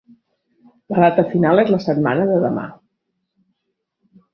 La data final és la setmana de demà